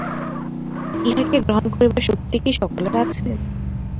ইহাকে গ্রহণ করিবার শক্তি কি সকলের আছে?